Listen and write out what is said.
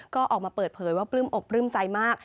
ก็ออกมาเปิดเผยว่าปลื้มอกปลื้มใจมาก